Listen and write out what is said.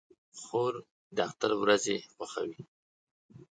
خور د اختر ورځې خوښوي.